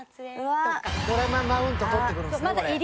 ドラママウント取ってくるんですねこれ。